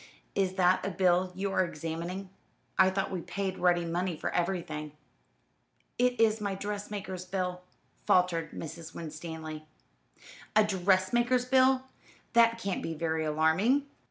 "Is that a bill you are examining? I thought we paid ready money for everything." "It is my dressmaker's bill," faltered Mrs. Winstanley. "A dressmaker's bill! That can't be very alarming.